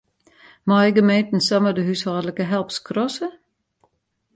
Meie gemeenten samar de húshâldlike help skrasse?